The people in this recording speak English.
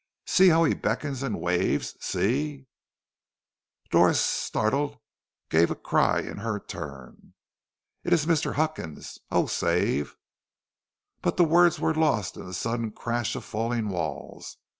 See how he beckons and waves, see " Doris, startled, gave a cry in her turn: "It is Mr. Huckins! O save " But the words were lost in the sudden crash of falling walls.